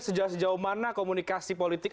sejauh mana komunikasi politik